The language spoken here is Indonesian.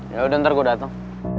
ya udah ntar gue dateng